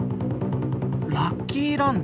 ラッキーランド？